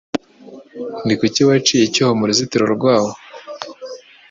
Ni kuki waciye icyuho mu ruzitiro rwawo